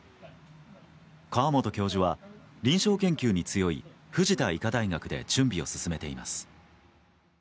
河本教授は臨床研究に強い藤田医科大学で準備を進めています。